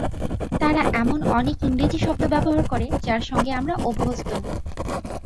তারা এমন অনেক ইংরেজি শব্দ ব্যবহার করে, যার সঙ্গে আমরা অভ্যস্ত নই।